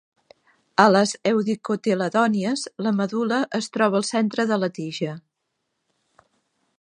A les eudicotiledònies, la medul·la es troba al centre de la tija.